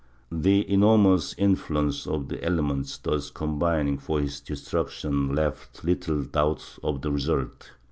The enormous influence of the elements thus combining for his destruction left little doubt of the result.